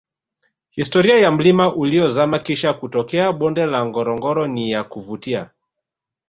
historia ya mlima uliozama Kisha kutokea bonde la ngorongoro ni ya kuvutia